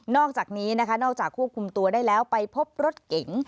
อกจากนี้นะคะนอกจากควบคุมตัวได้แล้วไปพบรถเก๋ง